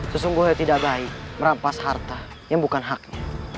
sesungguhnya tidak baik merampas harta yang bukan haknya